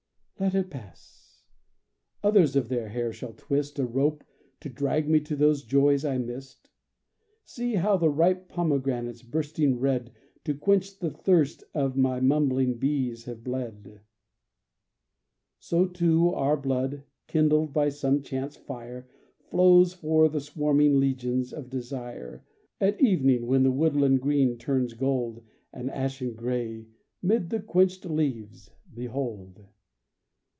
_ Let it pass! others of their hair shall twist A rope to drag me to those joys I missed. See how the ripe pomegranates bursting red To quench the thirst of the mumbling bees have bled; So too our blood, kindled by some chance fire, Flows for the swarming legions of desire. At evening, when the woodland green turns gold And ashen grey, 'mid the quenched leaves, behold!